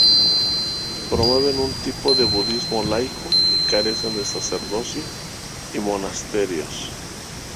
Promueven un tipo de Budismo laico y carecen de sacerdocio y monasterios.